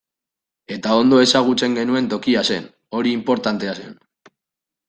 Eta ondo ezagutzen genuen tokia zen, hori inportantea zen.